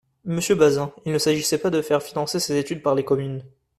Monsieur Bazin, il ne s’agissait pas de faire financer cette étude par les communes.